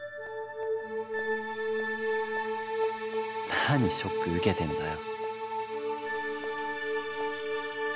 「何ショック受けてんだよ」。